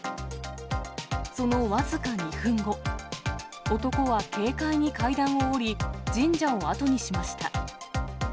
そのわずか２分後、男は軽快に階段を下り、神社を後にしました。